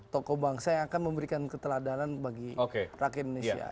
tokoh bangsa yang akan memberikan keteladanan bagi rakyat indonesia